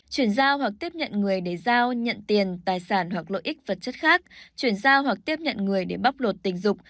chuyển giao hoặc tiếp nhận người để giao nhận tiền tài sản hoặc lợi ích vật chất khác chuyển giao hoặc tiếp nhận người để bóc lột tình dục